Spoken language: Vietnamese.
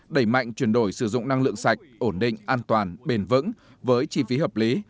đẩy mạnh chuyển đổi sử dụng năng lượng sạch ổn định an toàn bền vững với chi phí hợp lý